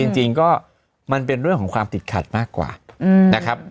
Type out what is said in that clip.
จริงก็มันเป็นเรื่องของความติดขัดมากกว่านะครับ